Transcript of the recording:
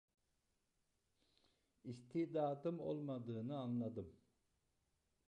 İstidadım olmadığını anladım!